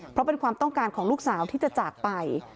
เพราะเป็นความต้องการของลูกสาวที่จะจากไป